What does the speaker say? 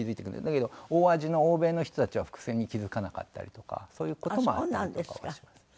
だけど大味の欧米の人たちは伏線に気付かなかったりとかそういう事もあったりとかはします。